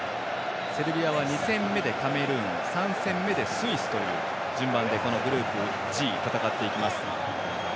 セルビアは２戦目でカメルーン３戦目はスイスという順番でこのグループＧ戦っていきます。